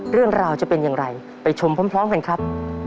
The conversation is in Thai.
เรื่องราวจะเป็นอย่างไรไปชมพร้อมกันครับ